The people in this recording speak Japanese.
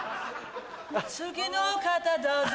次の方どうぞ。